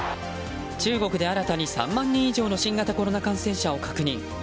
中国で新たに３万人以上の新型コロナ感染者を確認。